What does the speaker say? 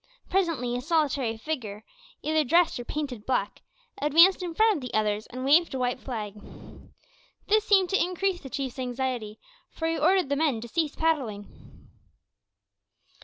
Presently a solitary figure, either dressed or painted black, advanced in front of the others and waved a white flag. This seemed to increase the Chief's anxiety, for he ordered the men to cease paddling.